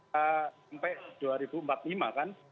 sampai dua ribu empat puluh lima kan